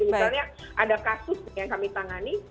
jadi misalnya ada kasus yang kami tangani